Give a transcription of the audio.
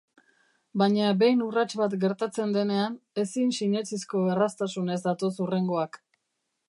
Baina behin urrats bat gertatzen denean, ezin sinetsizko erraztasunez datoz hurrengoak.